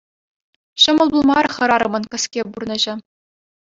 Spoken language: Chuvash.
Ҫӑмӑл пулмарӗ хӗрарӑмӑн кӗске пурнӑҫӗ.